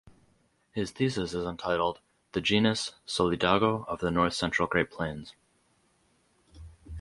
His thesis is entitled "The genus "Solidago" of the north central Great Plains".